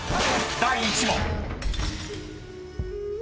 ［第１問］